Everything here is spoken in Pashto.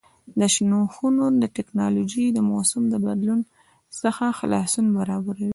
د شنو خونو تکنالوژي د موسم له بدلون څخه خلاصون برابروي.